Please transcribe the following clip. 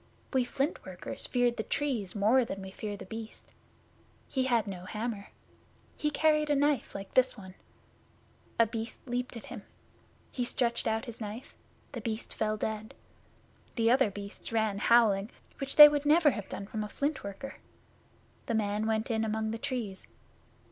We Flint workers fear the Trees more than we fear The Beast. He had no hammer. He carried a knife like this one. A Beast leaped at him. He stretched out his knife. The Beast fell dead. The other Beasts ran away howling, which they would never have done from a Flint worker. The man went in among the Trees.